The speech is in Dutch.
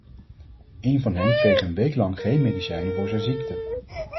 Een van hen kreeg een week lang geen medicijnen voor zijn ziekte.